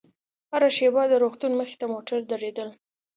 هره شېبه د روغتون مخې ته موټر درېدل.